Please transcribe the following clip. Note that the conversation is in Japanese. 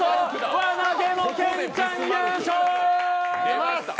輪投げの健ちゃん優勝！